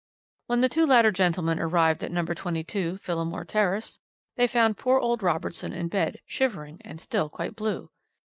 "When the two latter gentlemen arrived at No. 22, Phillimore Terrace, they found poor old Robertson in bed, shivering, and still quite blue.